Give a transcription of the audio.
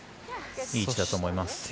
いい位置だと思います。